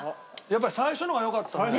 やっぱり最初のが良かったね。